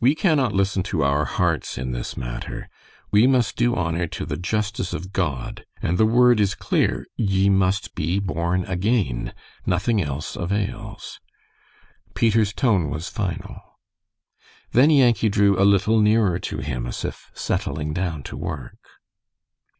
"We cannot listen to our hearts in this matter. We must do honor to the justice of God, and the word is clear, 'Ye must be born again.' Nothing else avails." Peter's tone was final. Then Yankee drew a little nearer to him, as if settling down to work.